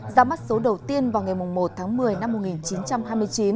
ra mắt số đầu tiên vào ngày một tháng một mươi năm một nghìn chín trăm hai mươi chín